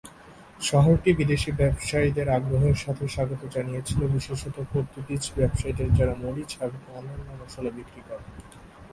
শহরটি বিদেশী ব্যবসায়ীদের আগ্রহের সাথে স্বাগত জানিয়েছিল, বিশেষত পর্তুগিজ ব্যবসায়ীদের যারা মরিচ এবং অন্যান্য মশলা বিক্রি করে।